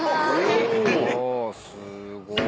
すごい。